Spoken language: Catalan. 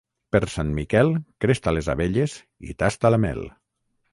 Per Sant Miquel cresta les abelles i tasta la mel.